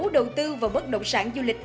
đầu tư vào bất động sản du lịch